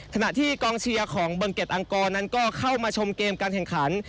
ขณะที่กองเชียร์ของเบิงเกดอังกรนั้นก็เข้ามาชมเกมการแข่งขัน